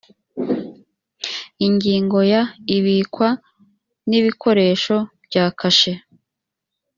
ingingo ya ibikwa n ikoreshwa bya kashe